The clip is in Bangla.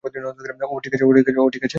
ওহ, ঠিক আছে!